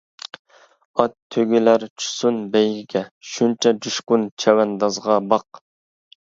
ئات، تۆگىلەر چۈشسۇن بەيگىگە، شۇنچە جۇشقۇن چەۋەندازغا باق.